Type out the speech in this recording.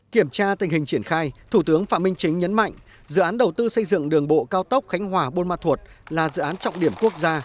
kiểm tra tình hình triển khai thủ tướng phạm minh chính nhấn mạnh dự án đầu tư xây dựng đường bộ cao tốc khánh hòa bôn ma thuột là dự án trọng điểm quốc gia